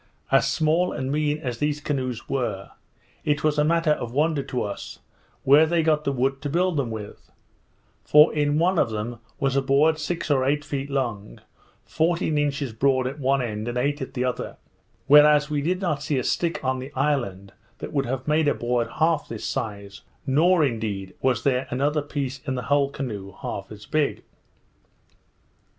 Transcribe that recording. As small and mean as these canoes were, it was a matter of wonder to us, where they got the wood to build them with; for in one of them was a board six or eight feet long, fourteen inches broad at one end, and eight at the other; whereas we did not see a stick on the island that would have made a board half this size, nor, indeed, was there another piece in the whole canoe half so big.